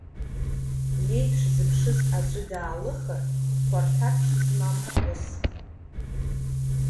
Иеиԥш зеиԥшыз аӡәы даалыхар, хәарҭаԥшь змам ԥҳәыск.